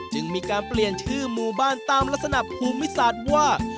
จึงมีการเปลี่ยนชื่อหมู่บ้านตามลักษณะภูมิศาสตร์ว่า